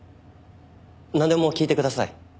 なんでも聞いてください。